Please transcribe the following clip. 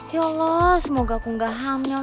ya allah semoga aku gak hamil